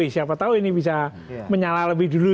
siapa tahu ini bisa menyala lebih dulu